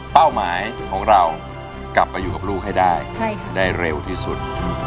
หมายของเรากลับไปอยู่กับลูกให้ได้เร็วที่สุด